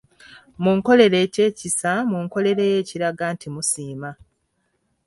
Munkolere eky'ekisa munkolereyo ekiraga nti musiima.